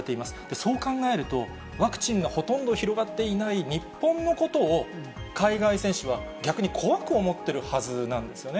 そう考えると、ワクチンがほとんど広がっていない日本のことを、海外選手は逆に怖く思っているはずなんですよね。